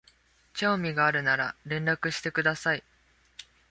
興味があるなら連絡してください